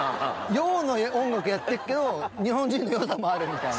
洋の音楽やってっけど日本人の良さもあるみたいな。